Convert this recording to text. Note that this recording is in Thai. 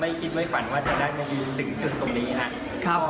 ไม่คิดไม่ฝันว่าจะได้เมืองดีถึงจุดตรงนี้ครับ